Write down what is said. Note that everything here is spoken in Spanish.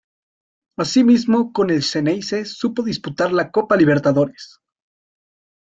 Asimismo, con el "Xeneize" supo disputar la Copa Libertadores.